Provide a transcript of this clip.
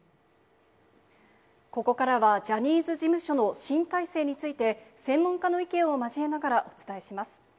ここからはジャニーズ事務所の新体制について、専門家の意見を交えながらお伝えします。